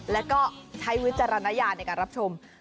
แล้วก็ใช้วิจารณญาณในการรับชม